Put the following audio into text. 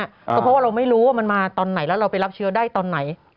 เพราะว่าเราไม่รู้ว่ามันมาตอนไหนแล้วเราไปรับเชื้อได้ตอนไหน